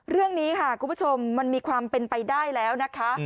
เรื่องนี้ค่ะคุณผู้ชมมันมีความเป็นไปได้แล้วนะคะ